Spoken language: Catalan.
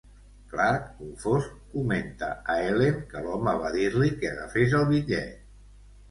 Clark, confós, comenta a Ellen que l'home va dir-li que agafés el bitllet.